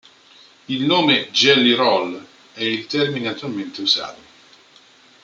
Il nome "Jelly Roll" è il termine attualmente usato.